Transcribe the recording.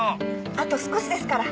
あと少しですから！